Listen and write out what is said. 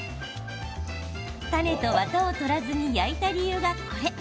種と、わたを取らずに焼いた理由が、これ。